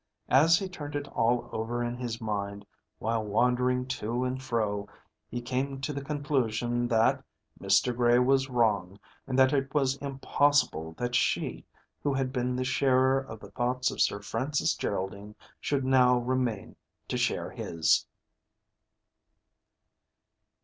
As he turned it all over in his mind, while wandering to and fro, he came to the conclusion that Mr. Gray was wrong, and that it was impossible that she who had been the sharer of the thoughts of Sir Francis Geraldine, should now remain to share his.